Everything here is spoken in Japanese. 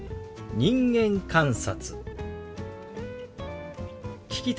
「人間観察」。